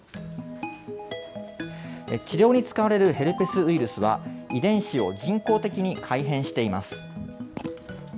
治療に使われるヘルペスウイルスは、遺伝子を人工的に改変しています。